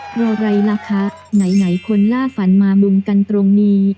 เพราะอะไรล่ะคะไหนคนล่าฝันมามุมกันตรงนี้